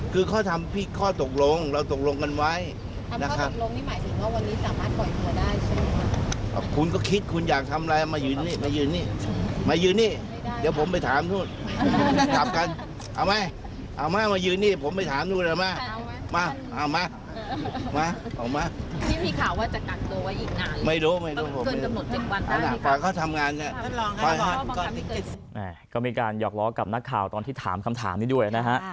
ก็มีการหอกล้อกับนักข่าวตอนที่ถามคำถามนี้ด้วยนะฮะ